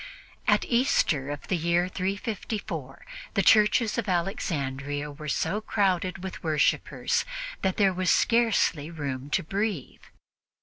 At Easter of the year 354, the churches of Alexandria were so crowded with worshippers that there was scarcely room to breathe.